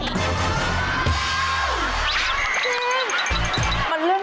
หรือใครกำลังร้อนเงิน